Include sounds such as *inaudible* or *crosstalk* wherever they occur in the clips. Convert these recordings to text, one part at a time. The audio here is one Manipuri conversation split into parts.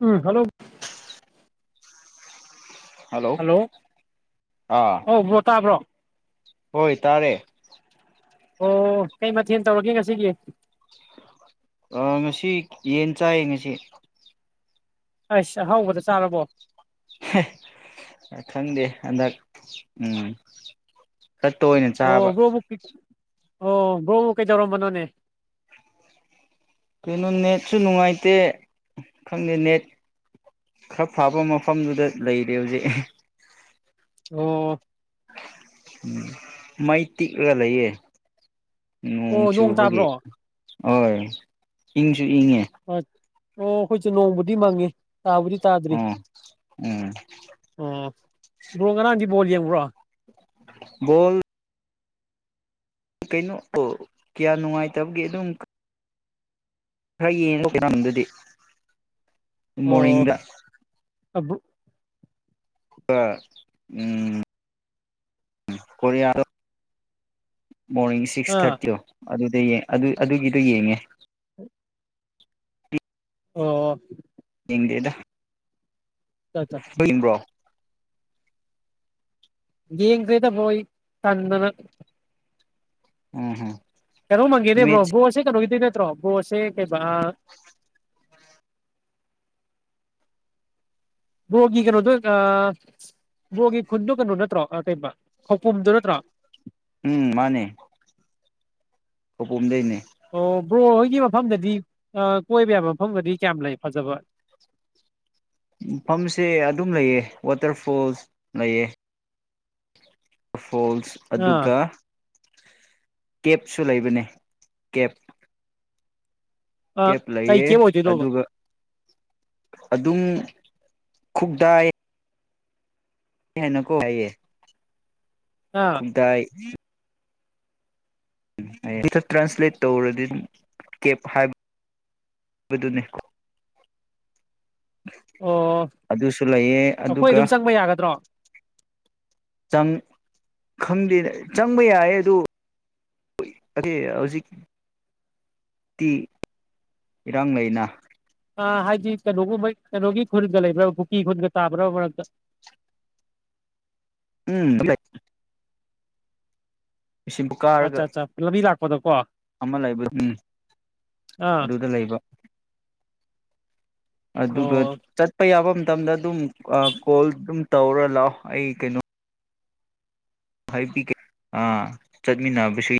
ꯎꯝ ꯍꯜꯂꯣ ꯍꯜꯂꯣ ꯑꯥ ꯑꯣ ꯕ꯭ꯔꯣ ꯇꯥꯕ꯭ꯔꯣ ꯍꯣꯏ ꯇꯥꯔꯦ ꯑꯣ ꯀꯩ ꯃꯊꯦꯜ ꯇꯧꯔꯒꯦ ꯉꯁꯤꯒꯤ ꯑ ꯉꯁꯤ ꯌꯦꯟ ꯆꯥꯏꯌꯦ ꯉꯁꯤ ꯑꯁ ꯑꯍꯧꯕꯗ ꯆꯥꯔꯕꯣ ꯈꯪꯗꯦ ꯍꯟꯗꯛ ꯎꯝ ꯈꯔ ꯇꯅ ꯆꯥꯕ ꯑꯣ ꯕ꯭ꯔꯣꯕꯨ ꯑꯣ ꯕ꯭ꯔꯣꯕꯨ ꯀꯩꯗꯧꯔꯝꯕꯅꯣꯅꯦ ꯀꯩꯅꯣ ꯅꯦꯠꯁꯨ ꯅꯨꯡꯉꯥꯏꯇꯦ ꯈꯪꯗꯦ ꯅꯦꯠ ꯈꯔ ꯐꯕ ꯃꯐꯝꯗꯨꯗ ꯂꯩꯔꯦ ꯍꯧꯖꯤꯛ ꯑꯣ ꯎꯝ ꯃꯩꯇꯩꯤ ꯑꯣꯏ ꯂꯩꯌꯦ ꯅꯣꯡ ꯑꯣ ꯆꯨꯕꯒꯦ ꯇꯥꯕ꯭ꯔꯣ ꯑꯣ ꯏꯉꯦ ꯑꯣ ꯑꯩꯈꯣꯏꯁꯨꯦ ꯅꯣꯡꯕꯨꯗꯤ ꯃꯪꯉꯤ ꯇꯥꯕꯨꯗꯤ ꯇꯥꯗ꯭ꯔꯤ ꯑꯣ ꯎꯝ ꯎꯝ ꯕ꯭ꯔꯣ ꯉꯔꯥꯡꯗꯤ ꯣꯜ ꯌꯦꯡꯕ꯭ꯔꯣ ꯣꯜ ꯀꯩꯅꯣ ꯑꯣ ꯀꯌꯥ ꯅꯨꯡꯉꯥꯏꯇꯕꯒꯦ ꯑꯗꯨꯝ ꯈꯔ ꯌꯦꯡꯉꯣꯝ ꯑꯗꯨꯗꯤ ꯃꯣꯔꯅꯤꯡꯗ ꯑꯕꯨ ꯎ ꯀꯣꯔꯤꯌꯥ ꯃꯣꯔꯅꯤꯡ ꯁꯤꯛꯁ ꯑꯥ ꯊꯥꯔꯇꯤ ꯑꯣ ꯑꯗꯨꯗ ꯑꯗꯨ ꯑꯗꯨꯒꯤꯗꯣ ꯌꯦꯡꯉꯦ ꯑꯣ ꯗꯦꯗ ꯑꯠꯆꯥ ꯑꯠꯆꯥ ꯟꯕ꯭ꯔꯣ ꯌꯦꯡꯡ ꯀꯦꯗ ꯄꯣꯏ ꯇꯗꯨꯅ ꯎꯝ ꯍꯝ ꯃꯦꯠꯁ ꯀꯩꯅꯣꯪꯒꯅꯦꯕꯣꯕꯣ ꯋꯥꯁꯦ ꯀꯩꯅꯣ ꯏꯗꯤꯅꯦ ꯃ꯭ꯔ ꯑꯕꯣ ꯍꯥꯁ ꯀ ꯕꯣꯒꯤ ꯀꯩꯅꯣꯗꯣ ꯕꯣꯒꯤ ꯈꯨꯟꯗꯣ ꯀꯩꯅꯣ ꯅꯠꯇ꯭ꯔꯣ ꯀꯩꯕ ꯈꯧꯄꯨꯝꯗꯨꯣ ꯅꯠꯇ꯭ꯔꯣ ꯎꯝ ꯃꯥꯅꯦ ꯍꯄꯣꯝꯗꯩꯅꯦ ꯑꯣ ꯕ꯭ꯔꯣ ꯍꯣꯏꯒꯤ ꯃꯐꯝꯗꯗꯤ ꯀꯣꯏꯕ ꯌꯥꯕ ꯃꯐꯝꯗꯗꯤ ꯀꯌꯥꯝ ꯂꯩ ꯐꯖꯕ ꯃꯐꯝꯁꯦ ꯑꯗꯨꯝ ꯂꯩꯑ ꯋꯥꯇꯔ ꯐꯣꯜꯁ ꯂꯩꯑ ꯐꯣꯜꯁ ꯑꯥ ꯑꯗꯨꯒ ꯀꯦꯞꯁꯨ ꯂꯩꯕꯅꯦ ꯀꯦꯞ ꯑꯥ ꯀꯦꯞ ꯀꯩ ꯂꯩꯌꯦ ꯀꯦꯝ ꯑꯣꯏꯗꯣꯏꯅꯣꯕ ꯑꯗꯨꯒ ꯑꯗꯨꯝ ꯈꯨꯕꯗꯥꯑ ꯅꯀꯣ ꯍꯥꯏꯏꯌꯦ ꯑꯥ ꯈꯨ ꯇꯥꯏ ꯍꯊ ꯇ꯭ꯔꯥꯟꯁꯂꯦꯠ ꯇꯧꯔꯗꯤ ꯀꯦꯞꯕ ꯍꯥꯏꯕꯗꯨꯅꯤ ꯑꯣ ꯑꯩꯈꯣꯏ ꯑꯗꯨꯒ ꯑꯗꯨꯝ ꯆꯪꯕ ꯌꯥꯒꯗ꯭ꯔꯣ ꯪ ꯈꯪꯗꯦ ꯆꯪꯕ ꯌꯥꯌꯦ ꯑꯗꯨ ꯍꯧꯖꯤꯛꯛꯇꯤ ꯏꯔꯥꯡ ꯂꯩꯅ ꯍꯥꯏꯗꯤ ꯀꯩꯅꯣꯒꯨꯝꯕꯩ ꯀꯩꯅꯣꯒꯤ ꯈꯨꯜꯗ ꯂꯩꯕ꯭ꯔꯥ ꯄꯨꯀꯤ ꯈꯨꯠꯀ ꯇꯥꯕ꯭ꯔꯥ ꯃꯔꯛꯇ ꯎꯝ ꯀꯥꯔꯒ ꯑꯆꯥ ꯑꯆꯥ ꯂꯕꯤ ꯂꯥꯛ ꯀꯗꯀꯣ ꯑꯃ ꯂꯩꯕ ꯃꯤ ꯑꯗꯨꯗ ꯂꯩꯕ ꯑꯗꯨꯒ ꯑꯣ ꯆꯠꯄ ꯌꯥꯐꯝ ꯃꯇꯝꯗ ꯑꯗꯨꯝ ꯀꯣꯜ ꯑꯗꯨꯝ ꯇꯧꯔ ꯂꯥꯛꯑꯣ ꯑꯩ ꯀꯩꯅꯣ ꯑꯥ ꯆꯠꯃꯤꯟꯅꯕꯁꯨ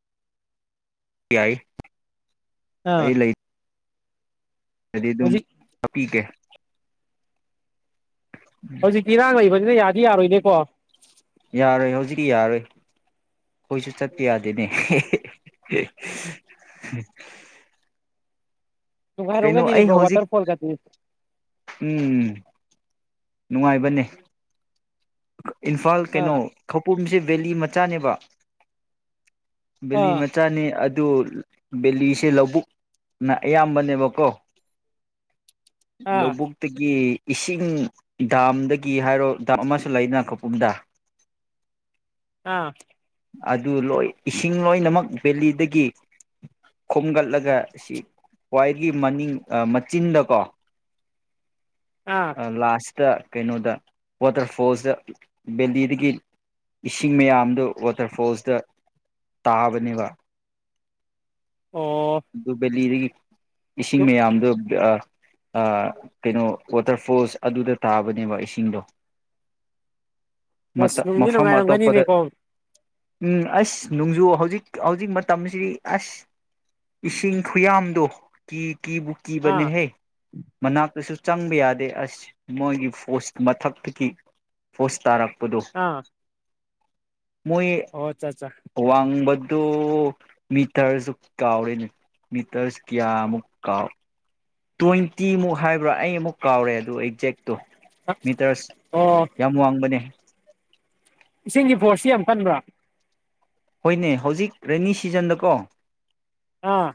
ꯌꯥꯏ ꯑꯥ ꯑꯗꯨꯗꯤ ꯑꯗꯨꯝ ꯍꯧꯖꯤꯛ ꯍꯥꯞꯄꯤꯒꯦ ꯍꯧꯖꯤꯛ ꯀꯔꯥꯡꯒꯏ ꯁꯤꯗ ꯌꯥꯗꯤ ꯌꯥꯔꯣꯏꯗꯦꯀꯣ ꯌꯥꯔꯣꯏ ꯍꯧꯖꯤꯛꯇꯤ ꯌꯥꯔꯣꯏ ꯑꯩꯈꯣꯏꯁꯨ ꯆꯠꯄ ꯌꯥꯗꯦꯅꯦ ꯀꯩꯅꯣ ꯑꯩ ꯨꯡꯉꯥꯏꯔꯣꯒꯗꯤꯅꯦꯕ꯭ꯔꯣ ꯍꯧꯖꯤꯛ ꯋꯥꯇꯔꯐꯣꯜꯒꯗꯤꯅꯤ ꯎꯝ ꯅꯨꯡꯉꯥꯏꯕꯅꯦ *unintelligible* ꯏꯝꯐꯥꯜ ꯀꯩꯅꯣ ꯑꯥ ꯈꯧꯄꯨꯝꯁꯤ ꯕꯦꯂꯤ ꯃꯆꯥꯅꯦꯕ ꯕꯂꯤ ꯑꯥ ꯃꯆꯥꯅꯦ ꯑ ꯑꯗꯨ ꯕꯦꯂꯤꯁꯦ ꯂꯧꯕꯨꯛꯅ ꯑꯌꯥꯝꯕꯅꯦꯕꯀꯣ ꯑꯥ ꯂꯧꯕꯨꯛꯇꯒꯤ ꯏꯁꯤꯡ ꯗꯥꯝꯗꯒꯤ ꯍꯥꯏꯔꯣ ꯗꯥꯝ ꯑꯃ ꯂꯩꯅ ꯀꯄꯨꯝꯗ ꯑꯥ ꯑꯗꯨ ꯂꯣꯏ ꯏꯁꯤꯡ ꯂꯣꯏꯅꯃꯛ ꯕꯦꯂꯤꯗꯒꯤ ꯈꯣꯝꯒꯠꯂꯒ ꯁꯤ ꯈ꯭ꯋꯥꯏꯗꯒꯤ ꯃꯅꯤꯡ ꯃꯆꯤꯟꯗꯀꯣ ꯑꯥ ꯑ ꯂꯥꯁ ꯇ ꯀꯩꯅꯣꯗ ꯋꯥꯇꯔ ꯐꯣꯜꯁꯇ ꯕꯦꯂꯤꯗꯒꯤ ꯏꯁꯤꯡ ꯃꯌꯥꯝꯗꯨ ꯋꯥꯇꯔꯐꯣꯜꯁꯇ ꯇꯥꯕꯅꯦꯕ ꯑꯗꯨ ꯑꯣ ꯑꯗꯨꯗꯨꯕꯂꯤꯒꯤ ꯏꯁꯤꯡ ꯃꯌꯥꯝꯗꯣ ꯀꯩꯅꯣ ꯋꯥꯇꯔꯐꯣꯜꯁ ꯑꯗꯨꯗ ꯇꯥꯕꯅꯦꯕ ꯏꯁꯤꯡꯗꯣ ꯁ ꯅꯨꯡꯗꯤ ꯃꯐꯝ ꯑꯇꯣꯞꯄꯗ ꯅꯨꯡꯉꯥꯏꯔꯝꯒꯅꯤꯅꯦꯀꯣ ꯎꯝ ꯑꯁ ꯅꯣꯡꯖꯨ ꯍꯧꯖꯤꯛ ꯍꯧꯖꯤꯛ ꯃꯇꯝꯁꯤꯗꯤ ꯑꯁ ꯏꯁꯤꯡ ꯈꯨꯌꯥꯝꯗꯨꯣ ꯀꯤ ꯀꯕꯨꯀꯤ ꯑꯥ ꯅꯦ ꯍ ꯃꯅꯥꯛꯇꯁꯨ ꯆꯪꯕ ꯌꯥꯗꯦ ꯑꯁ ꯃꯣꯏꯒꯤ ꯐꯣꯁ ꯃꯊꯛꯇꯒꯤ ꯐꯣꯁ ꯇꯥꯔꯛ ꯀꯗꯣ ꯑꯥ ꯃꯣꯏꯣꯏ ꯑꯣ ꯑꯠꯆꯥ ꯑꯠꯆꯥ ꯋꯥꯕ ꯑꯗꯨ ꯃꯤꯇꯔꯁꯨ ꯀꯥꯎꯔꯤꯅꯦ ꯃꯤꯇꯔꯁꯨ ꯀꯌꯥꯃꯨꯛ ꯀꯥꯎ ꯇ꯭ꯋꯦꯟꯇꯤꯃꯨꯛ ꯍꯥꯏꯕ꯭ꯔꯥ ꯑꯩ ꯑꯃꯨꯛ ꯀꯥꯎꯔꯦ ꯑꯗꯨ ꯑꯦꯛꯖꯦꯛꯇꯣ ꯃꯤꯇꯔꯁ ꯑꯣ ꯌꯥꯝ ꯋꯥꯡꯕꯅꯦ ꯏꯁꯤꯡꯒꯤ ꯐꯣꯔꯁꯁꯤ ꯌꯥꯝ ꯀꯟꯕ꯭ꯔꯥ ꯍꯣꯏꯅꯦ ꯍꯧꯖꯤꯛ ꯔꯦꯅꯤ ꯁꯤꯖꯟꯗꯀꯣ ꯑꯥ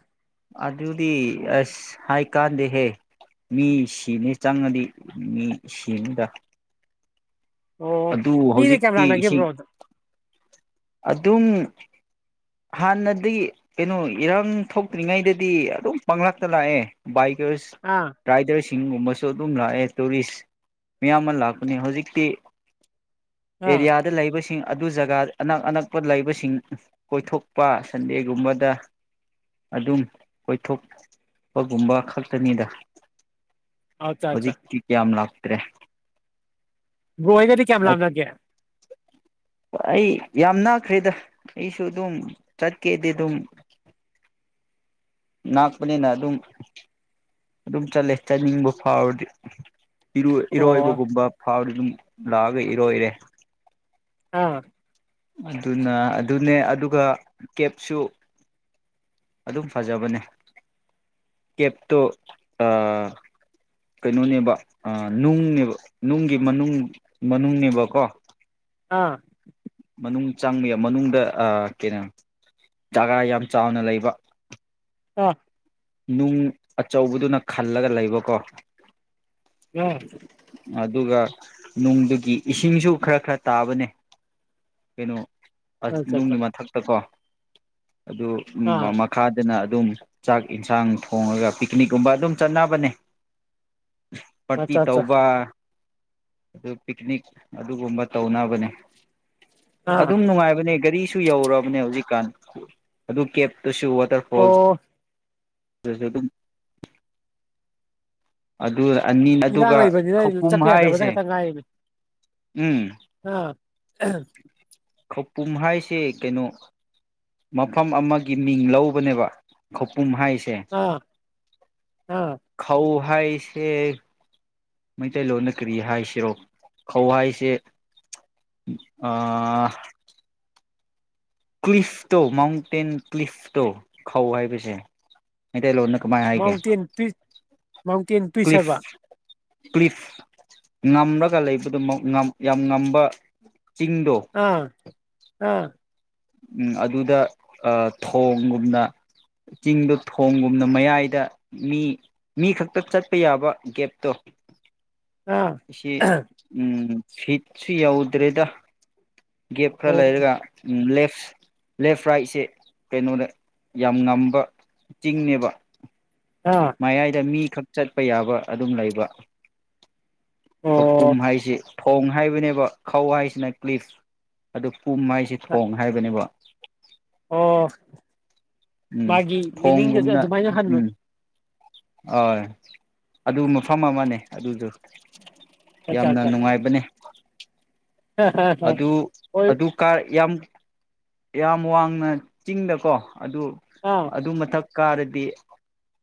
ꯑꯗꯨꯗꯤ ꯑꯁ ꯍꯥꯏꯀꯥꯟꯗꯦꯍꯦ ꯃꯤ ꯁꯤꯅꯤ ꯆꯪꯉꯗꯤ ꯃꯤ ꯁꯤꯅꯤꯗ ꯑꯣ ꯑꯗꯨ ꯃꯤꯅꯦ ꯍꯧꯖꯤꯛꯇꯤ ꯏꯁꯤꯡ ꯀꯦꯃꯂꯥꯅꯒꯕꯔꯕꯣ ꯑꯗꯨ ꯑꯗꯨꯝ ꯍꯥꯟꯅꯗꯤ ꯀꯩꯅꯣ ꯏꯔꯥꯡ ꯊꯣꯛꯇ꯭ꯔꯤꯉꯩꯗꯗꯤ ꯑꯗꯨꯝ ꯄꯪꯂꯇ ꯂꯥꯛꯑꯦ ꯕꯥꯏꯛ ꯑꯥ ꯔꯥꯏꯗꯔ ꯤꯡꯒꯨꯝꯕꯁꯨ ꯑꯗꯨꯝ ꯂꯥꯛꯑꯦ ꯇꯨꯔꯤꯁ ꯃꯌꯥꯝ ꯑꯃ ꯂꯥꯛꯄꯅꯤ ꯍꯧꯖꯤꯛꯇꯤ ꯑꯥ ꯑꯦꯔꯤꯌꯥꯗ ꯂꯩꯕꯁꯤꯡ ꯑꯗꯨ ꯖꯒꯥ ꯑꯅꯛ ꯑꯅꯛꯄ ꯂꯩꯕꯁꯤꯡ ꯀꯣꯏꯊꯣꯛꯄ ꯁꯟꯗꯦꯒꯨꯝꯕꯗ ꯑꯗꯨꯝ ꯀꯣꯏꯊꯣꯛꯄꯒꯨꯝꯕ ꯈꯛꯇꯅꯤꯗ ꯑꯠꯆꯥ ꯑꯠꯆꯥ ꯍꯧꯖꯤꯛ ꯀ ꯀꯌꯥ ꯌꯥꯝ ꯂꯥꯛ ꯇ꯭ꯔꯦ ꯔꯣꯍꯤꯅꯗꯤ ꯀꯌꯥꯃ ꯂꯝ ꯂꯒꯌꯥ ꯑꯩ ꯌꯥꯝ ꯅꯥꯛꯈ꯭ꯔꯦꯗ ꯑꯩꯁꯨ ꯑꯗꯨꯝ ꯆꯠꯀꯦꯗꯤ ꯑꯗꯨꯝ ꯉꯥꯛꯄꯅꯤꯅ ꯑꯗꯨꯝ ꯑꯗꯨꯝ ꯆꯂꯦ ꯆꯅꯤꯡꯕꯨ ꯐꯥꯎ ꯑ ꯔ ꯑꯣ ꯏꯔꯣꯏꯕꯒꯨꯝꯕ ꯐꯥꯎꯗ ꯑꯗꯨꯝ ꯂꯥꯛꯑꯒ ꯏꯔꯣꯏ ꯏꯔꯦ ꯑꯥ ꯑꯗꯨꯅ ꯑꯗꯨꯅꯦ ꯑꯗꯨꯒ ꯀꯦꯞꯁꯨ ꯑꯗꯨꯝ ꯐꯖꯕꯅꯦ ꯀꯦꯞꯇꯣ ꯀꯩꯅꯣꯅꯦꯕ ꯅꯨꯡꯅꯦꯕ ꯅꯨꯡꯒꯤ ꯃꯅꯨꯡ ꯃꯅꯨꯡꯅꯦꯕꯀꯣ ꯑꯥ ꯃꯅꯨꯡ ꯆꯪꯕ ꯌꯥ ꯃꯅꯨꯡꯗ ꯀꯩꯅꯣ ꯖꯥꯒꯥ ꯌꯥꯝ ꯆꯥꯎꯅ ꯂꯩꯕ ꯑ ꯅꯨꯡ ꯑꯆꯧꯕꯗꯨꯅ ꯈꯜꯂꯒ ꯂꯩꯕꯀꯣ ꯑ ꯑꯗꯨꯒ ꯅꯨꯡꯗꯨꯒꯤ ꯏꯁꯤꯡꯁꯨ ꯈꯔ ꯈꯔ ꯇꯥꯕꯅꯦ ꯀꯩꯅꯣ ꯑ ꯑꯠꯆꯥ ꯑꯠꯆꯥ ꯅꯨꯡꯒꯤ ꯃꯊꯛꯇ ꯀꯣ ꯑꯗꯨ ꯑꯥ ꯃꯈꯥꯗꯅ ꯑꯗꯨꯝ ꯆꯥꯛ ꯌꯦꯟꯁꯥꯡ ꯊꯣꯡꯉꯒ ꯄꯤꯛꯅꯤꯛꯀꯨꯝꯕ ꯑꯗꯨꯝ ꯆꯠꯅꯕꯅꯦ ꯄꯇ ꯑꯠꯆꯥ ꯑꯠꯆꯥ ꯇꯧꯕ ꯑꯗꯨ ꯄꯤꯛꯅꯤꯛ ꯑꯗꯨꯒꯨꯝꯕ ꯇꯧꯅꯕꯅꯦ ꯑꯥ ꯑꯗꯨꯝ ꯅꯨꯡꯉꯥꯏꯕꯅꯦ ꯒꯥꯔꯤ ꯀ ꯁꯨ ꯌꯧꯔꯕꯅꯦ ꯍꯧꯖꯤꯛꯀꯥꯟ ꯑꯗꯨ ꯀꯦꯞ ꯇꯨꯁꯨ ꯋꯥꯇꯔꯐꯣ ꯑꯣ ꯑꯗꯨ ꯑꯗꯨ ꯑꯅꯤ ꯏꯔꯥꯡ ꯑꯗꯨꯒ ꯂꯩꯕꯅꯤꯅ ꯈꯧꯄꯨꯝ ꯆꯠꯄ ꯌꯥꯗꯕꯗ ꯍꯥꯏꯔꯤꯁꯦ ꯈꯛꯇ ꯉꯥꯏꯔꯤꯅꯦ ꯎꯝ ꯎ ꯈꯧꯄꯨꯝ ꯍꯥꯏꯁꯦ ꯀꯩꯅꯣ ꯃꯐꯝ ꯑꯃꯒꯤ ꯃꯤꯡ ꯂꯧꯕꯅꯦꯕ ꯈꯧꯄꯨꯝ ꯍꯥꯏꯁꯦ ꯑꯥ ꯑꯥ ꯈ ꯍꯥꯏꯚꯁꯦ ꯃꯩꯇꯩꯂꯣꯟꯅ ꯀꯔꯤ ꯍꯥꯏꯁꯤꯔꯣ ꯈꯧ ꯍꯥꯏꯁꯦ ꯀ꯭ꯂꯤꯐꯇꯣ ꯃꯥꯎꯟꯇꯦꯟ ꯀ꯭ꯂꯤꯐꯇꯣ ꯈꯧ ꯍꯥꯏꯕꯁꯦ ꯃꯩꯇꯩꯂꯣꯟ ꯅ ꯃꯥꯎꯟꯇꯦꯟ ꯄꯤ ꯃꯥꯎꯟꯇꯦꯟ ꯄꯏꯁꯕ ꯀ꯭ꯂꯤꯞ ꯉꯝꯂꯒ ꯂꯩꯕꯗꯨꯃꯛ ꯌꯥꯝ ꯉꯝꯕ ꯆꯤꯡꯗ ꯑꯥ ꯑꯥ ꯑꯗꯨꯗ ꯊꯣꯡꯒꯨꯝꯅ ꯆꯤꯡꯗꯣ ꯊꯣꯡꯒꯨꯝꯅ ꯃꯌꯥꯏꯗ ꯃꯤ ꯃꯤ ꯈꯛꯇ ꯆꯠꯄ ꯌꯥꯕ ꯒꯦꯞꯇꯣ ꯑꯥ ꯁꯤ ꯎꯝ ꯐꯤꯠꯁꯨ ꯌꯧꯗ꯭ꯔꯦꯗ ꯒꯦꯞ ꯈꯔ ꯑꯣ ꯂꯩꯔꯒ ꯂꯦꯐ ꯂꯦꯐ ꯔꯥꯏꯠꯁꯦ ꯀꯩꯅꯣꯅꯦ ꯌꯥꯝ ꯉꯝꯕ ꯆꯤꯡꯅꯦꯕ ꯑꯥ ꯃꯌꯥꯏꯗ ꯃꯤ ꯈꯛ ꯆꯠꯄ ꯌꯥꯕ ꯑꯗꯨꯝ ꯂꯩꯕ ꯀꯄꯨꯝ ꯑꯣ ꯍꯥꯏꯁꯦ ꯊꯣꯡ ꯍꯥꯏꯕꯅꯦꯕ ꯈꯧ ꯍꯥꯏꯁꯤꯅ ꯀ꯭ꯂꯤꯞ ꯑꯗꯨ ꯎꯞ ꯃꯥꯏꯁꯤꯦ ꯊꯣꯡ ꯍꯥꯏꯕꯅꯦꯕ ꯑꯣ ꯎꯝ ꯃꯥꯒꯤ ꯃꯤꯅꯤꯡꯒꯁꯦ ꯊꯣꯡꯒꯨꯝꯅ ꯑꯗꯨꯃꯥꯏꯅ ꯍꯟꯕ ꯎꯝ ꯍꯣꯏ ꯑꯗꯨ ꯃꯐꯝ ꯑꯃꯅꯦ ꯑꯗꯨꯁꯨ ꯑꯠꯆꯥ ꯌꯥꯝꯅ ꯑꯠꯆꯥ ꯅꯨꯡꯉꯥꯏꯕꯅꯦ ꯑꯗꯨ ꯍꯣꯏ ꯑꯗꯨ ꯀꯥ ꯌꯥꯝ ꯌꯥꯝ ꯋꯥꯡꯅ ꯆꯤꯡꯗꯀꯣ ꯑꯗꯨ ꯑꯥ ꯑꯗꯨ ꯃꯊꯛ ꯀꯥꯔꯗꯤ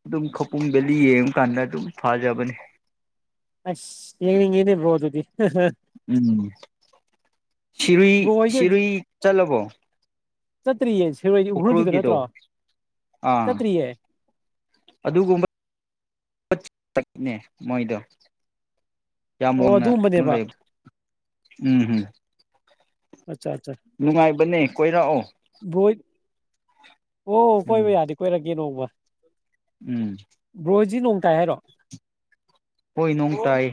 ꯑꯗꯨꯝ ꯈꯄꯨꯡ ꯕꯦꯂꯤ ꯌꯦꯡꯉꯀꯥꯟꯗ ꯑꯗꯨꯝ ꯐꯥꯖꯕꯅꯦ ꯑꯁ ꯌꯦꯦꯅꯤ ꯏꯔꯔꯕꯣꯗꯨꯗꯤ ꯎꯝ ꯁꯤꯔꯏ ꯕ꯭ꯔꯣ ꯁꯤꯔꯏ ꯆ ꯆ ꯂꯕꯣ ꯁꯠꯇ꯭ꯔꯤ ꯌꯦꯟꯁ ꯁꯤꯔꯣꯏꯗꯤ ꯍ꯭ꯔꯨꯜꯒꯤꯗꯣ ꯅꯠꯇ꯭ꯔꯣ ꯑꯥ ꯆꯠꯇ꯭ꯔꯤꯌꯦ ꯑꯗꯨꯒꯨꯝꯕ ꯅꯦ ꯃꯣꯏꯗ ꯌꯥꯝ ꯑꯣ ꯋꯥꯡꯅ ꯀꯩꯅꯣ ꯑꯗꯨꯝꯕꯅꯦꯕ ꯂꯩꯕ ꯎꯝ ꯎꯝ ꯑꯠꯆꯥ ꯑꯠꯆꯥ ꯅꯨꯡꯥꯏ ꯅꯤ ꯀꯣꯏꯔꯥꯛꯑꯣ ꯕ꯭ꯔꯣ ꯍꯣꯏ ꯑꯣ ꯎꯝ ꯀꯣꯏꯕ ꯌꯥꯗꯤ ꯀꯣꯏꯔꯛꯀꯦ ꯅꯣꯡꯃ *unintelligible* ꯎꯝ ꯁꯤ ꯅꯣꯡꯇꯥꯏ ꯍꯥꯏꯔꯣ ꯍꯣꯏ ꯅꯣꯡ ꯇꯥꯏ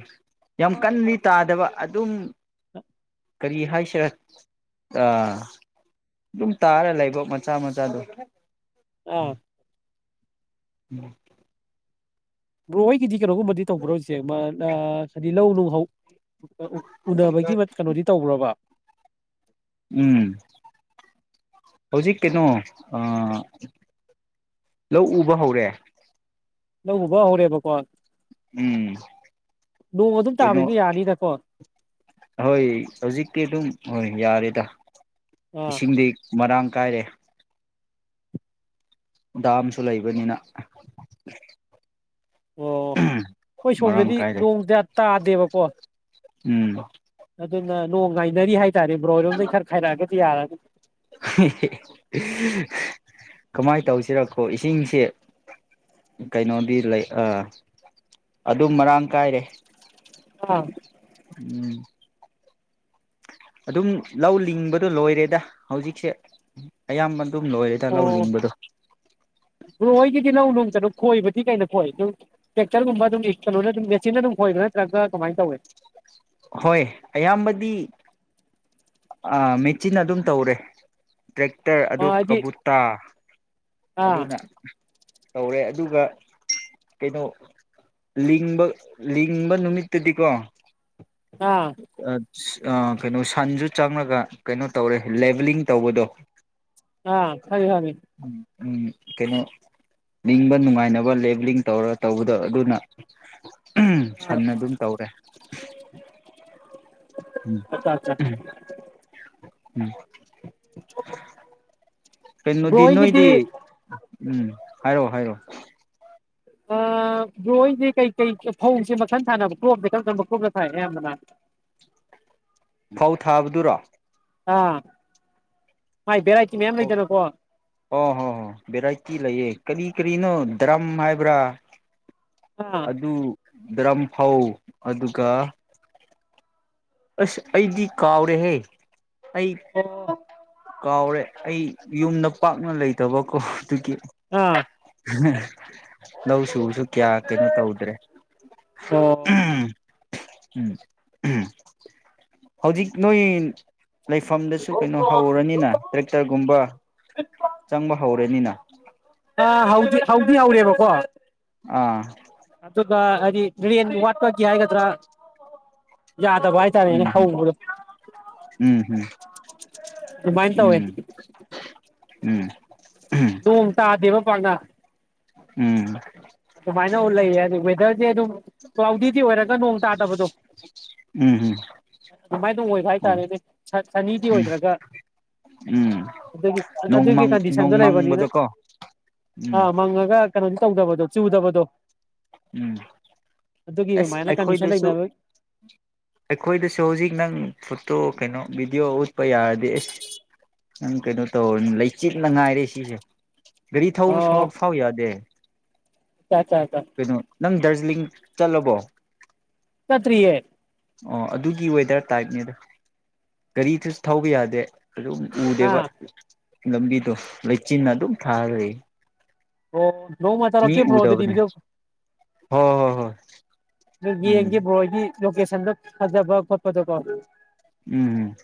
ꯌꯥꯝ ꯀꯗꯤ ꯇꯥꯗꯕ ꯑꯗꯨꯝ ꯀꯔꯤ ꯍꯥꯏꯁꯤꯔꯦ ꯑꯗꯨꯝ ꯇꯥꯔ ꯂꯩꯕ ꯃꯆꯥ ꯃꯆꯥꯗꯣ ꯑꯥ ꯎꯝ ꯭ꯔꯣ ꯗꯤ ꯀꯩꯅꯣꯒꯨꯝꯕꯗꯤ ꯇꯧꯕ꯭ꯔꯣ ꯍꯧꯁꯦ ꯑ ꯁꯗꯤ ꯂꯧ ꯅꯨꯡꯍꯧ ꯎꯅꯕꯒꯤ ꯀꯩꯅꯣꯗꯤ ꯇꯧꯕ꯭ꯔꯣꯕ ꯎꯝ ꯍꯧꯖꯤꯛ ꯀꯩꯅꯣ ꯂꯧ ꯎꯕ ꯍꯧꯔꯦ ꯂꯧꯕꯕ ꯍꯧꯔꯦꯕꯀꯣ ꯎꯝ ꯅꯣꯡ ꯑꯗꯨꯝ ꯀꯩꯅꯣ ꯇꯥꯕꯅꯤꯅ ꯌꯥꯅꯤꯗꯀꯣ ꯍꯣꯏ ꯍꯧꯖꯤꯛꯀꯤ ꯑꯗꯨꯝ ꯍꯣꯏ ꯌꯥꯔꯦꯗ ꯑꯥ ꯏꯁꯤꯡꯗꯤ ꯃꯔꯥꯡ ꯀꯥꯏꯔꯦ ꯗꯥꯝꯁꯨ ꯂꯩꯕꯅꯤꯅ ꯑꯣ ꯑꯩꯈꯣꯏ ꯃꯔꯥꯡ ꯁꯣꯝꯗꯗꯤ ꯀꯥꯏꯔꯦ ꯅꯣꯡ ꯀꯌꯥ ꯇꯥꯗꯦꯕꯀꯣ ꯎꯝ ꯑꯗꯨꯅ ꯅꯣꯡ ꯉꯥꯏꯅꯔꯤ ꯍꯥꯏ *unintelligible* ꯀꯃꯥꯏꯅ ꯇꯧꯁꯤꯔꯛꯈꯣ ꯏꯁꯤꯡꯁꯦ ꯀꯩꯅꯣꯗꯤ ꯂꯩ ꯑ ꯑꯗꯨꯝ ꯃꯔꯥꯡ ꯀꯥꯏꯔꯦ ꯑꯥ ꯎꯝ ꯑꯗꯨꯝ ꯂꯧ ꯂꯤꯡꯕꯗꯣ ꯂꯣꯏꯔꯦꯗ ꯍꯧꯖꯤꯛꯁꯦ ꯑꯌꯥꯝꯕꯅ ꯑꯣ ꯕ꯭ꯔ‌ꯣ ꯍ‌ꯣꯏꯒꯤꯗꯤ ꯂꯩ ꯅ‌ꯣꯡꯃꯠꯇ ꯈꯣꯏꯕꯗꯤ ꯀꯩꯅ ꯈꯣꯏ ꯑꯗꯨꯝ ꯇꯦꯛꯇꯔꯒꯨꯝꯕ ꯑꯗꯨꯝ ꯀꯩꯅꯣꯅ ꯑꯗꯨꯝ ꯃꯦꯆꯤꯟꯅ ꯑꯗꯨꯝ ꯈꯣꯏꯕ꯭ꯔꯥ ꯅꯠꯇ꯭ꯔꯒ ꯀꯃꯥꯏꯅ ꯇꯧꯌꯤ ꯍꯣꯏ ꯑꯌꯥꯝꯕꯗꯤ ꯑ ꯃꯦꯆꯤꯟꯅꯥ ꯑꯗꯨꯝ ꯇꯧꯔꯦ ꯇ꯭ꯔꯦꯛꯇꯔ ꯑꯗꯨ ꯑꯥ ꯍꯥꯏꯗꯤ ꯀꯕꯨꯨꯇꯥ ꯑꯥ ꯑꯗꯨꯅ ꯇꯧꯔꯦ ꯑꯗꯨꯒ ꯀꯩꯅꯣ ꯂꯤꯡꯕ ꯂꯤꯡꯕ ꯅꯨꯃꯤꯠꯇꯗꯤꯀꯣ ꯑꯥ ꯀꯩꯅꯣ ꯁꯟꯁꯨ ꯆꯪꯂꯒ ꯀꯩꯅꯣ ꯇꯧꯔꯦ ꯂꯦꯚꯂꯤꯡ ꯇꯧꯕꯗꯣ ꯑꯥ ꯈꯪꯉꯦ ꯈꯪꯉꯦ ꯎꯝ ꯎꯝ ꯀꯩꯅꯣ ꯂꯤꯡꯕ ꯅꯨꯡꯉꯥꯏꯅꯕ ꯂꯦꯕꯂꯤꯡ ꯇꯧꯔ ꯇꯧꯕꯗꯣ ꯑꯗꯨꯅ ꯑꯥ ꯁꯟ ꯑꯗꯨꯝ ꯇꯧꯔꯦ ꯎꯝ ꯑꯠꯆꯥ ꯑꯠꯆꯥ ꯎꯝ *inaudible* ꯀꯅ‌ꯣꯗꯤ ꯍꯣꯏꯒꯤꯗꯤ ꯅ‌ꯣꯏꯗꯤ ꯎꯝ ꯍꯥꯏꯔꯣ ꯍꯥꯏꯔꯣ ꯕ꯭ꯔꯣꯍ‌ꯣꯏꯗꯤ ꯀꯩꯀꯩ ꯐꯧꯁꯦ ꯃꯈꯟ ꯊꯥꯅꯕ ꯀ꯭ꯔꯣꯞꯇ ꯈ ꯊꯝꯕ ꯀ꯭ꯔꯣꯞꯇ ꯊꯥꯏ ꯑꯌꯥꯝꯕꯅ ꯐꯧ ꯊꯥꯕꯗꯨꯔꯣ ꯑꯥ ꯌꯥꯏ ꯚꯔꯥꯏꯇꯤ ꯑꯣ ꯍꯣ ꯍ‌ꯣ ꯍ‌ꯣ ꯍ‌ꯣ ꯚꯦꯔꯥꯏꯇꯤ ꯂꯩꯌꯦ ꯀꯔꯤ ꯀꯔꯤꯅꯣ ꯗ꯭ꯔꯝ ꯍꯥꯏꯕ꯭ꯔꯥ ꯑꯥ ꯑꯗꯨ ꯗ꯭ꯔꯝꯐꯧ ꯑꯗꯨꯒ ꯑꯁ ꯑꯩꯗꯤ ꯀꯥꯎꯔꯦꯍꯦ ꯑꯩ ꯑꯣ ꯀꯥꯎꯔꯦ ꯑꯩ ꯌꯨꯝꯗ ꯄꯥꯛꯅ ꯂꯩꯇꯕꯀꯣ ꯑꯗꯨꯒꯤ ꯑꯥ ꯎꯝ ꯂꯧ ꯁꯁꯨ ꯀꯌꯥ ꯀꯩꯅꯣ ꯇꯧꯗ꯭ꯔꯦ ꯑꯣ ꯎꯝ ꯍꯧꯖꯤꯛ ꯅꯣꯏ ꯂꯩꯐꯝꯗꯁꯨ ꯀꯩꯅꯣ ꯍꯧꯔꯅꯤꯅ ꯇ꯭ꯔꯦꯛꯇꯔꯒꯨꯝꯕ ꯆꯪꯕ ꯍꯧꯔꯅꯤꯅ ꯑ ꯍꯧꯗꯤ ꯍꯧꯗꯤ ꯍꯧꯔꯦꯕꯀꯣ ꯑꯥ ꯑꯗꯨꯗꯗꯤ ꯋꯥꯠꯄꯥꯒꯤ ꯍꯥꯏꯒꯗ꯭ꯔꯥ ꯌꯥꯗꯕ ꯍꯥꯏꯇꯥꯔꯦꯅꯦ ꯎꯝ ꯍꯧꯕꯗꯣ ꯎꯝ ꯎꯝ ꯑꯗꯨꯃꯥꯏꯅ ꯇꯧꯋꯦ ꯎꯝ ꯎꯝ ꯣꯡꯝ ꯇꯥꯗꯕ ꯄꯥꯅ ꯎꯝ ꯑꯗꯨ ꯃꯥꯏꯅ ꯎ ꯂꯩꯦ ꯁꯤꯗꯤ ꯑꯗꯨꯝ ꯀ꯭ꯂꯥꯎꯗꯤꯗꯤ ꯑꯣꯏꯔꯒ ꯅꯣꯡ ꯇꯥꯗꯕꯗꯣ ꯎꯝ ꯑꯗꯨꯃꯥꯏꯅ ꯑꯣꯏꯕ ꯎꯝ ꯎꯝ ꯍꯥꯏꯇꯥꯔꯦꯅꯦ ꯁꯅꯤꯗꯤ ꯑꯣꯏꯗ꯭ꯔꯒ ꯎꯝ ꯑꯗꯨꯒꯤ ꯑꯗꯨꯒꯤ ꯅꯣꯡꯃꯪ ꯀꯟꯗꯤꯁꯟꯗꯣ ꯂꯩꯕꯅꯤꯅ ꯅꯣꯡꯃꯪꯕꯗꯀꯣ ꯎꯝ ꯑꯥ ꯃꯪꯉꯒ ꯀꯩꯅ ꯇꯧꯗꯕꯣ ꯆ ꯎꯗꯕꯗꯣ ꯎꯝ ꯑꯁ ꯀꯟꯗꯤꯁꯟ ꯑꯩꯈꯣꯏꯗꯁꯨ ꯂꯩꯅꯕꯒꯤ ꯑꯩꯈꯣꯏꯗꯁꯨ ꯍꯧꯖꯤꯛ ꯅꯪ ꯣ ꯀꯩꯅꯣ ꯕꯤꯗꯤꯑꯣ ꯌꯥꯔꯗꯤꯁ ꯅꯪ ꯀꯩꯅꯣ ꯇꯧ ꯂꯩꯆꯤꯠꯅ ꯉꯥꯏꯔꯦ ꯁꯤꯁꯦ ꯒꯥꯔꯤ ꯊꯧꯕ ꯐꯥꯎ ꯌꯥꯗꯦ ꯆ ꯆ ꯆ ꯀꯩꯅꯣ ꯅꯪ ꯗꯥꯔꯖꯤꯂꯤꯡ ꯆꯠꯂꯕꯣ ꯄꯠꯇꯔꯤꯑꯦ ꯑꯣ ꯑꯗꯨꯒꯤ ꯋꯦꯗꯔ ꯇꯥꯏꯞꯅꯦꯗ ꯒꯥꯔꯤꯗꯨꯁꯨ ꯊꯧꯕ ꯌꯥꯗꯦ ꯑꯗꯨ ꯃꯗꯦꯕ ꯑꯥ ꯂꯝꯕꯤꯗꯣ ꯂꯩꯆꯤꯟꯅ ꯑꯗꯨꯝ ꯊꯥꯍꯜꯂꯤ ꯑꯣ ꯔꯣ ꯃꯆꯥꯥ ꯀꯦ ꯐ꯭ꯔꯣꯗꯦꯕꯤꯗ ꯍꯣꯏ ꯍꯣꯏ ꯍꯣꯏ ꯎꯝ ꯌꯦꯡꯒꯕ꯭ꯔꯣꯗꯤ ꯂꯣꯀꯦꯁꯟꯗ ꯍꯄ ꯎꯝꯝ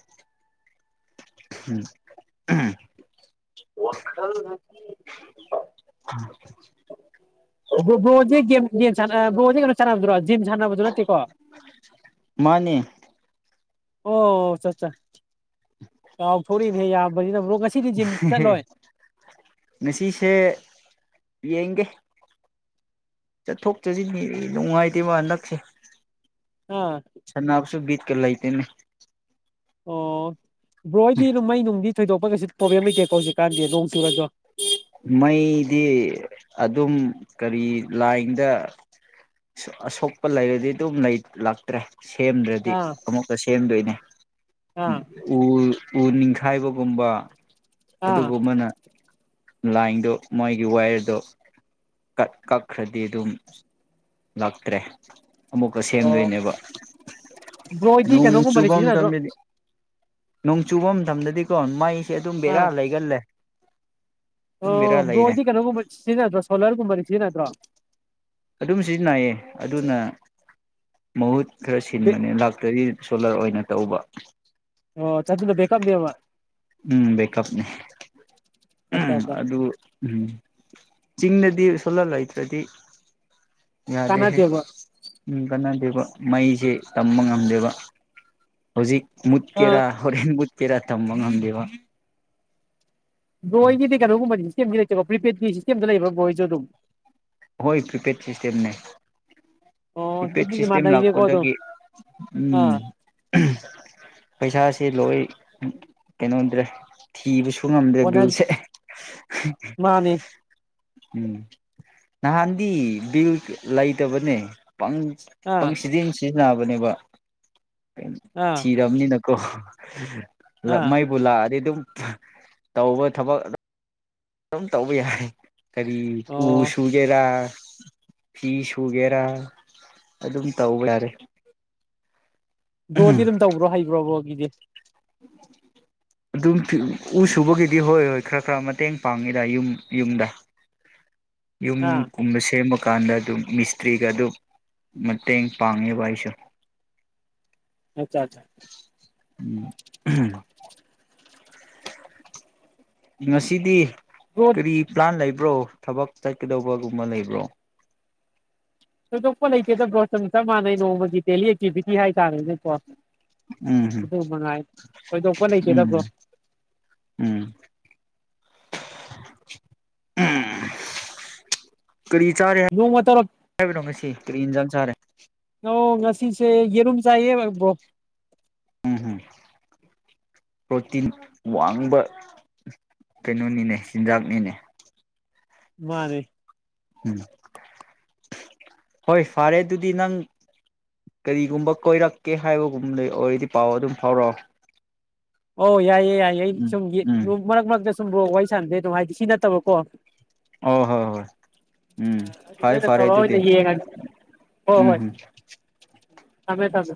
ꯎꯝ *inaudible* *unintelligible* *unintelligible* ꯒꯦꯝ꯫ ꯒꯦꯝ ꯁꯥꯅꯔꯕꯣꯗꯤ ꯀꯩꯅꯣ꯫ ꯆꯥꯅꯕꯗꯨꯔꯣ꯫ ꯖꯤꯝ ꯁꯥꯟꯅꯕꯗꯨ ꯅꯠꯇꯦꯀꯣ꯫ ꯃꯥꯅꯦ ꯑꯣ ꯑꯠꯆꯆꯥ ꯀꯥꯎꯊꯣꯛꯎ *unintelligible* ꯌꯥꯝꯕꯅꯤꯅ ꯃꯔꯨꯞ꯫ ꯉꯁꯤꯁꯦ꯫ ꯌꯦꯡꯒꯦ꯫ ꯆꯠꯊꯣꯛ ꯆꯠꯖꯤꯟꯒꯤꯗꯤ ꯅꯨꯡꯉꯥꯏꯇꯦꯕ ꯍꯟꯗꯛꯁꯦ꯫ ꯑꯥ ꯁꯥꯟꯅꯕꯁꯨ ꯕꯤꯠ ꯀ ꯂꯩꯇꯦꯅꯦ꯫ ꯑꯣ꯫ ꯭ꯕꯔꯣ ꯍꯣꯏꯗꯤ ꯗꯨꯝ ꯃꯩꯅꯨꯡꯗꯤ꯫ ꯊꯣꯏꯗꯣꯛꯄ ꯀꯩꯁꯨ ꯄ꯭ꯔꯣꯕ꯭ꯂꯦꯝ ꯂꯩꯇꯦꯀꯣ ꯍꯧꯖꯤꯛꯀꯥꯟꯗꯤ ꯅꯣꯡ ꯆꯨꯔꯁꯨ꯫ ꯃꯩꯗꯤ꯫ ꯁꯦꯝꯗ꯭ꯔꯗꯤ ꯑꯥ ꯑꯃꯨꯛꯀ ꯁꯦꯝꯗꯣꯏꯅꯦ ꯑꯥ ꯎꯝ ꯎ꯫ ꯎ ꯅꯤꯡꯈꯥꯏꯕꯒꯨꯝꯕ꯫ ꯑꯥ ꯑꯗꯨꯒꯨꯝꯕꯅ꯫ ꯂꯥꯏꯟꯗꯣ ꯃꯣꯏꯒꯤ ꯋꯥꯌꯔꯗꯣ ꯀꯛ ꯀꯛꯈ꯭ꯔꯗꯤ ꯑꯗꯨꯝ꯫ ꯂꯥꯛꯇ꯭ꯔꯦ꯫ ꯑꯃꯨꯛꯀ ꯑꯣ ꯁꯦꯝꯗꯣꯏꯅꯦꯕ ꯕ꯭ꯔꯣ ꯍꯣꯏꯗꯤ ꯅꯣꯡ ꯀꯩꯅꯣꯒꯨꯝꯕꯗꯤ ꯆꯨꯕ ꯁꯤꯖꯤꯟꯅꯗ꯭ꯔꯣ ꯃꯇꯝꯗꯗꯤ꯫ ꯅꯣꯡ ꯆꯨꯕ ꯃꯇꯝꯗꯗꯤꯀꯣ ꯃꯥꯏ ꯁꯦ ꯑꯗꯨꯝ ꯕꯦꯔꯥ ꯑꯥ ꯂꯩꯒꯜꯂꯦ꯫ ꯑꯗꯨꯝ ꯑꯣ ꯕꯦꯔꯥ ꯕ꯭ꯔꯣ ꯂꯩꯔꯦ ꯍꯣꯏꯗꯤ ꯀꯩꯅꯣꯒꯨꯝꯕ ꯁꯤꯖꯤꯟꯅꯗ꯭ꯔꯣ ꯁꯣꯂꯔꯒꯨꯝꯕꯗꯤ ꯁꯤꯖꯤꯟꯅꯗ꯭ꯔꯣ꯫ ꯑꯗꯨꯝ ꯁꯤꯖꯤꯟꯅꯩꯌꯦ ꯑꯗꯨꯅ ꯃꯍꯨꯠ꯫ ꯈꯔ ꯕꯦꯛ ꯁꯤꯟꯕꯅꯦ ꯂꯥꯛꯇ꯭ꯔꯗꯤ꯫ ꯁꯣꯂꯔ ꯑꯣꯏꯅ ꯇꯧꯕ꯫ ꯑꯣ ꯆꯥꯠꯇꯨꯅ ꯕꯦꯛꯑꯞ ꯅꯦꯕ꯫ ꯎꯝ ꯕꯦꯀꯞ ꯅꯦ ꯑꯠꯆꯥ ꯎꯝ ꯑꯠꯆꯥ ꯑꯗꯨ ꯎꯝ ꯆꯤꯡꯗꯗꯤ ꯁꯣꯂꯔ ꯂꯩꯇꯔ꯭ꯗꯤ ꯌꯥꯗꯦꯍꯦ ꯀꯥꯟꯅꯗꯦꯕ ꯀꯥꯟꯅꯗꯦꯕ ꯃꯩꯁꯦ ꯇꯝꯕ ꯉꯝꯗꯦꯕ ꯍꯧꯖꯤꯛ ꯑꯥ ꯃꯨꯠꯀꯦꯔꯥ *unintelligible* ꯄꯦꯔꯥ ꯇꯥꯝꯕ ꯉꯝꯗꯦ ꯋꯥ ꯕꯣꯏ ꯒꯤꯗꯤ ꯀꯩꯅꯣ ꯒꯨꯝꯕꯅꯤ ꯁꯇꯦꯞ ꯒꯤ ꯂꯩꯇꯕ __ ꯄ꯭ꯔꯤꯄꯦꯠ ꯄꯤꯁꯤ ꯍꯣꯏꯠ ꯄ꯭ꯔꯤꯄꯦꯠ ꯁꯤꯁꯇꯦꯝ ꯅꯦ ꯑꯣ ꯄꯤꯄꯦꯗ ꯑꯗꯨꯗꯤ ꯁꯤꯁꯇꯦꯝ ꯃꯥꯟꯅꯩꯅꯦꯀꯣ ꯑꯗꯨꯝ ꯂꯥꯛꯄꯗꯒꯤ ꯎꯝ ꯑꯥ ꯑꯝ ꯄꯩꯁꯥ__ ꯁꯦ ꯂꯣꯏ ꯀꯩꯅꯣꯗ꯭ꯔꯦ ꯊꯤꯕꯁꯨ__ ꯕ ꯉꯝꯗꯦ ꯑꯣꯅ ꯚ꯭ꯌꯨꯁꯦ ꯑꯦ ꯍꯤ ꯃꯥꯅꯤ ꯎꯝ ꯅꯍꯥꯟꯗꯤ ꯕꯤꯜ ꯂꯩꯇꯕꯅꯦ꯫ ꯄꯪ ꯑꯥ ꯄꯪꯁꯤꯗꯤꯡꯁꯤ ꯌꯥꯕꯅꯦꯕ ꯑꯦꯝ ꯑꯥ ꯊꯤꯔꯝꯅꯤ ꯅ ꯀꯣ ꯍꯤ ꯏ ꯂꯥꯞ ꯑꯥ ꯃꯩꯕꯨꯂ ꯑꯗꯤ ꯗꯨꯝ__ ꯊ ꯇꯧꯕ ꯊꯕꯛ__ ꯑꯝ ꯇꯧꯕ ꯌꯥꯏ ꯍꯤ ꯀꯔꯤ ꯎ ꯑꯣ ꯁꯨꯒꯦꯔ ꯐꯤ ꯁꯨꯒꯦꯔꯥ ꯑꯗꯨꯝ ꯇꯧꯕ ꯌꯥꯔꯦ ꯕ꯭ꯔꯣꯗꯤ ꯗꯨꯝ ꯇꯧꯕ꯭ꯔꯣ ꯍꯩꯕ꯭ꯔꯣ ꯕꯣꯜ ꯏꯗꯦꯠ ꯑꯗꯨꯝ ꯎ ꯁꯨꯕꯒꯤꯗꯤ ꯍꯣꯏ ꯌꯣꯏ ꯈꯔ ꯈꯔ ꯃꯇꯦꯡ ꯄꯥꯡꯉꯤꯗ ꯌꯨꯝ ꯌꯨꯝꯗ ꯌꯨꯝ ꯑꯥ ꯀꯨꯝꯕ ꯁꯦꯝꯃ ꯀꯥꯟꯗ ꯑꯗꯨꯝ ꯃꯤꯁꯇ꯭ꯔꯤꯒ ꯑꯗꯨ ꯃꯇꯦꯡ ꯄꯥꯡꯉꯦꯕ ꯑꯩꯁꯨ ꯑꯆꯥ ꯑꯆꯥ ꯎꯝ ꯉꯁꯤꯗꯤ ꯕ꯭ꯔꯣ ꯀꯔꯤ ꯄ꯭ꯂꯥꯟ ꯂꯩꯥꯕ ꯕ꯭ꯔꯣ ꯊꯕꯛ ꯆꯠꯀꯗꯧꯕꯒꯨꯝꯕ ꯂꯩꯕ꯭ꯔꯣ ꯊꯣꯏꯗꯣꯛꯄ ꯂꯩꯇꯦꯗꯥ ꯕꯔꯣ ꯆꯥꯞ ꯃꯅꯩ ꯅꯣꯡꯃꯒꯤ ꯗꯦꯜꯂꯤ ꯑꯦꯛꯇꯤꯚꯤꯇꯤ ꯍꯥꯏꯇꯥꯔꯦꯅꯦꯀꯣ ꯎꯝ ꯑꯗꯨ ꯃꯉꯥꯏ ꯊꯣꯏꯗꯣꯛꯄ ꯂꯩꯇꯦꯗ ꯎꯝ ꯕ꯭ꯔꯣ ꯎꯝ꯫ ꯀꯔꯤ ꯆꯥꯔꯦ ꯅꯣꯡꯃ ꯇꯧꯔꯛ ꯍꯥꯏꯕꯅꯣ ꯉꯁꯤ ꯀꯔꯤ ꯌꯦꯟꯖꯥꯡ ꯆꯥꯔꯦ ꯑꯣ ꯉꯁꯤꯁꯦ ꯌꯦꯔꯨꯝ꯫ ꯆꯥꯏꯌꯦ ꯌꯦ ꯕ꯭ꯔꯣ꯫ ꯎꯝꯝ ꯄ꯭ꯔꯣꯇꯤꯟ ꯋꯥꯡꯕ ꯀꯩꯅꯣꯅꯤꯅꯦ ꯆꯤꯟꯖꯥꯛꯅꯤꯅꯦ ꯃꯥꯅꯦ ꯎꯝ ꯍꯣꯏ ꯐꯔꯦ ꯑꯗꯨꯗꯤ ꯅꯪ ꯀꯔꯤꯒꯨꯝꯕ ꯀꯣꯏꯔꯛꯀꯦ ꯍꯥꯏꯕꯒꯨꯝꯗ ꯑꯣꯏꯔꯗꯤ ꯄꯥꯎ ꯑꯗꯨꯝ ꯐꯥꯎꯔꯛꯑꯣ ꯑꯣ ꯌꯥꯏꯌꯦ ꯎꯝ ꯁꯨꯝꯛ ꯎꯝ ꯃꯔꯛ ꯃꯔꯛ ꯁꯨꯝꯕ ꯋꯥ ꯋꯥꯔꯤ ꯁꯥꯟꯗꯦ ꯑꯗꯨꯝ ꯍꯥꯏꯗꯤ ꯁꯤ ꯅꯠꯇꯕꯀꯣ ꯑꯣ ꯍꯣꯏ ꯍꯣꯏ ꯎꯝ ꯑꯗꯨ ꯐꯔꯦ ꯅꯣꯏꯅ ꯐꯔꯦ ꯇꯧꯔ ꯑꯣꯏꯅ ꯇꯨꯗꯤ ꯌꯦꯡꯉꯒꯦ ꯍꯣꯏ ꯎꯝ ꯍꯣꯏ ꯍꯝ ꯊꯝꯃꯦ ꯊꯝꯃꯦ